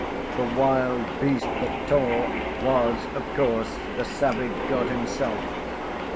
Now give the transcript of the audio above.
The wild beast that tore was, of course, the savage God himself.